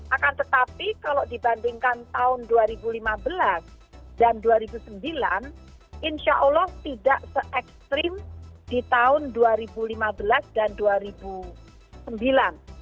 akan tetapi kalau dibandingkan tahun dua ribu lima belas dan dua ribu sembilan insya allah tidak se ekstrim di tahun dua ribu lima belas dan dua ribu sembilan